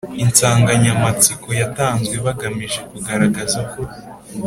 insanganyamatsiko yatanzwe bagamije kugaragaza ko